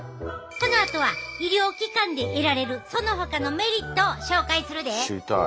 このあとは医療機関で得られるそのほかのメリットを紹介するで！